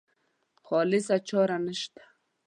خالصه چاره نشته.